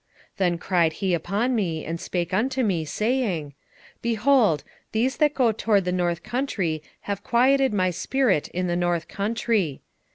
6:8 Then cried he upon me, and spake unto me, saying, Behold, these that go toward the north country have quieted my spirit in the north country.